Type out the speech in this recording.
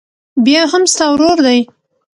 بيا هم ستا ورور دى.